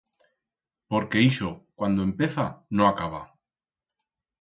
Porque ixo, cuando empeza no acaba.